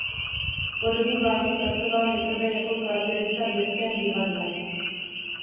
Po dobu války pracoval nejprve jako klavírista v dětském divadle.